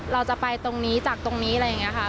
เราจะไปตรงนี้จากตรงนี้อะไรอย่างนี้ค่ะ